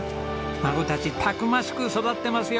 孫たちたくましく育ってます